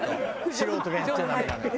素人がやっちゃダメなのよ。